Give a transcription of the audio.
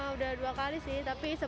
untuk pesanan architiptur